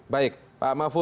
baik pak mahfud